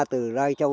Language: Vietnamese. từ lai châu